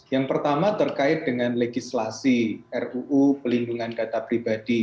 yang pertama terkait dengan legislasi ruu pelindungan data pribadi